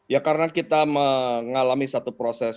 ya karena kita mengalami satu proses